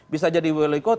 bisa jadi wlk